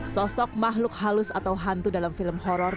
sosok makhluk halus atau hantu dalam film horror